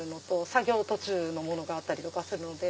作業途中のものがあったりとかするので。